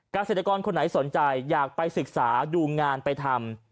เกษตรกรคนไหนสนใจอยากไปศึกษาดูงานไปทำ